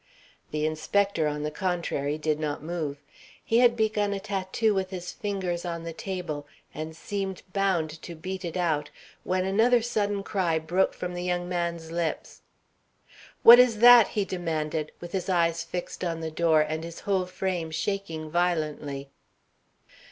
The inspector, on the contrary, did not move. He had begun a tattoo with his fingers on the table, and seemed bound to beat it out, when another sudden cry broke from the young man's lips: "What is that?" he demanded, with his eyes fixed on the door, and his whole frame shaking violently.